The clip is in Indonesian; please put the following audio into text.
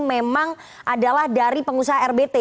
memang adalah dari pengusaha rbt